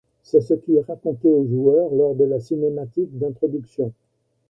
C'est ce qui est raconté au joueur lors de la cinématique d'introduction.